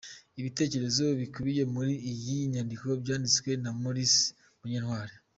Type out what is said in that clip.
Ibitekerezo bikubiye muri iyi nyandiko byanditswe na Maurice Munyentwali.